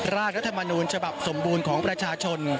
รัฐมนูญฉบับสมบูรณ์ของประชาชน